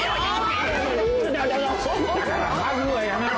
だからハグはやめろ。